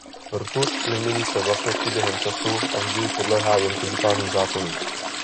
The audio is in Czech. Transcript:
Rtuť nemění své vlastnosti během času a vždy podléhá jen fyzikálním zákonům.